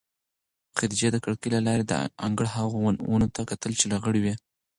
خدیجې د کړکۍ له لارې د انګړ هغو ونو ته کتل چې لغړې وې.